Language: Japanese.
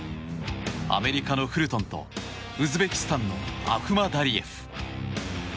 アメリカのフルトンとウズベキスタンのアフマダリエフ。